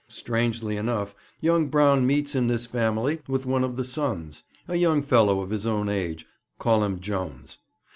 Strangely enough, young Brown meets in this family with one of the sons, a young fellow of his own age call him Jones.